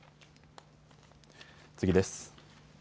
次です。